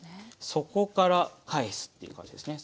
底から返すっていう感じですね。